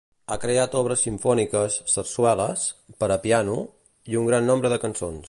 Ha creat obres simfòniques, sarsueles, per a piano, i un gran nombre de cançons.